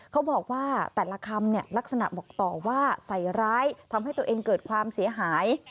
เขาบอกว่าแต่ละคำเนี่ยลักษณะบอกต่อว่าใส่ร้ายทำให้ตัวเองเกิดความเสียหาย